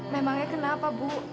memangnya kenapa bu